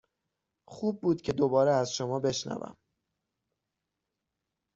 خوب بود که دوباره از شما بشنوم.